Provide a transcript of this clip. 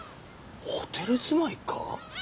ホテル住まいか？